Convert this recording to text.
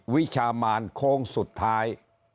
วิชามานโค้งสุดท้าย